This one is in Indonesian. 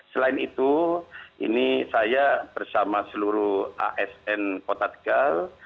selain itu ini saya bersama seluruh asn kota tegal